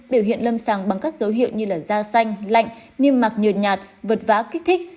biểu hiện lâm sàng bằng các dấu hiệu như da xanh lạnh niêm mạc nhượt nhạt vật vã kích thích